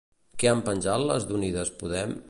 Què han penjat les d'Unides Podem?